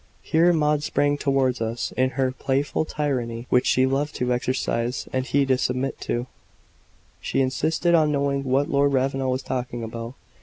Here Maud sprang towards us. In her playful tyranny, which she loved to exercise and he to submit to, she insisted on knowing what Lord Ravenel was talking about.